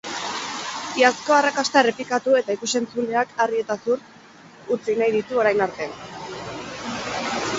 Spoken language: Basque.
Iazko arrakasta errepikatu eta ikus-entzuleak harri eta zur utzi nahi ditu orain ere.